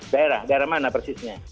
daerah mana persisnya